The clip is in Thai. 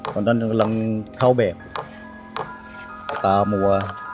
วันนั้นกำลังเข้าแบบตามัว